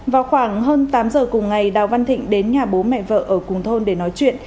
vào khoảng hơn tám giờ cùng ngày đào văn thịnh đến nhà bố mẹ vợ ở cùng thôn để nói chuyện